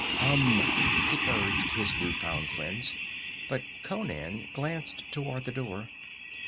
"Come!" he urged his new found friends, but Conan glanced toward the door.